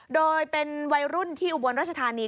โดยเป็นวัยรุ่นที่อุบลรัชธานี